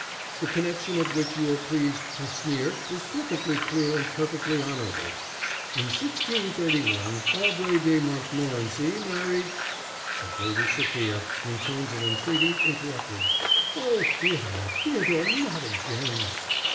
The connection at which you are pleased to sneer is perfectly clear and perfectly honourable. In 1631, Aubrey de Montmorency married...." But Lady Sophia, in tones of entreaty, interrupted: "Oh, Theodore, Theodore, not again!"